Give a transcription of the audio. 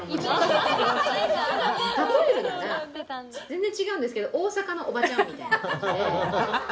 「全然違うんですけど大阪のおばちゃんみたいな」ハハハハ！